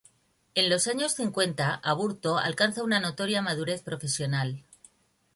En los años cincuenta Aburto alcanza una notoria madurez profesional.